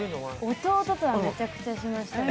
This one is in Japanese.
弟とはめちゃくちゃしました。